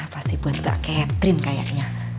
pasti buat catherine kayaknya